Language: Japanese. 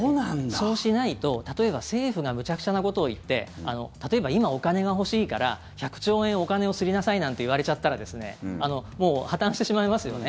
そうしないと例えば政府がむちゃくちゃなことを言って例えば今、お金が欲しいから１００兆円お金を刷りなさいなんて言われちゃったらもう破たんしてしまいますよね。